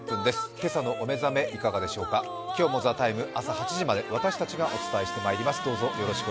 今朝のお目覚めいかがでしょうか今日も「ＴＨＥＴＩＭＥ，」朝８時まで私たちがお伝えしていきます。